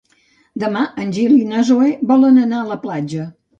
Demà en Gil i na Zoè volen anar a la platja.